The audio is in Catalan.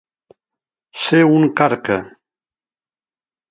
Ser un carca.